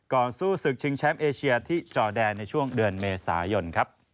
สู้ศึกชิงแชมป์เอเชียที่จอแดนในช่วงเดือนเมษายนครับ